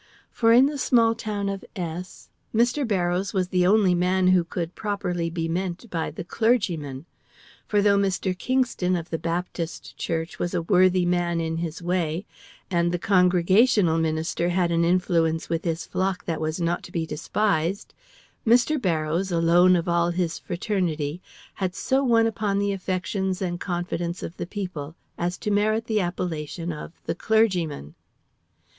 For in the small town of S Mr. Barrows was the only man who could properly be meant by "The clergyman"; for though Mr. Kingston, of the Baptist Church, was a worthy man in his way, and the Congregational minister had an influence with his flock that was not to be despised, Mr. Barrows, alone of all his fraternity, had so won upon the affections and confidence of the people as to merit the appellation of "The clergyman."